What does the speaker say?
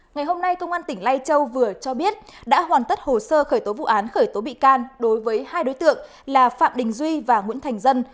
ngày hôm nay công an tỉnh lai châu vừa cho biết đã hoàn tất hồ sơ khởi tố vụ án khởi tố bị can đối với hai đối tượng là phạm đình duy và nguyễn thành dân